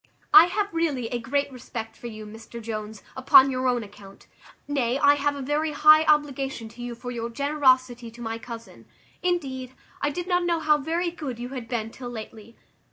I have really a great respect for you, Mr Jones, upon your own account; nay, I have a very high obligation to you for your generosity to my cousin. Indeed, I did not know how very good you had been till lately.